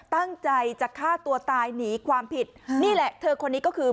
ตั้งใจจะฆ่าตัวตายหนีความผิดนี่แหละเธอคนนี้ก็คือ